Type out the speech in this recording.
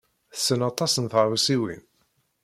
Tessen aṭas n tɣawsiwin.